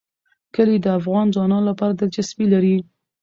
کلي د افغان ځوانانو لپاره دلچسپي لري.